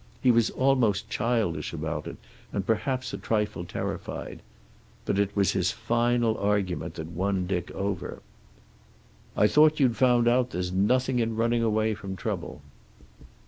He was almost childish about it, and perhaps a trifle terrified. But it was his final argument that won Dick over. "I thought you'd found out there's nothing in running away from trouble."